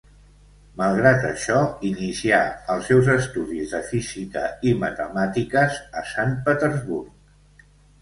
Malgrat això, inicià els seus estudis de física i matemàtiques a Sant Petersburg.